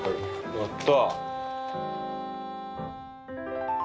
やった！